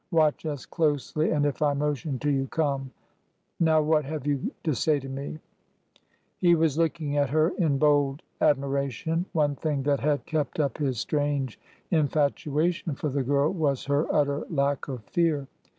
Watch us closely, and if I motion to you — come. ... Now — what have you to say to me ?" He was looking at her in bold admiration. One thing that had kept up his strange infatuation for the girl was her utter lack of fear.